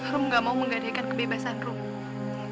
rung gak mau menggadekan kebebasan rung